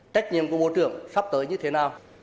trách nhiệm của bộ trưởng sắp tới như thế nào